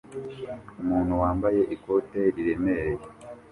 Umuntu wambaye ikote riremereye